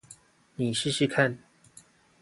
你試試看